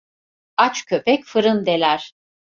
Aç köpek fırın deler.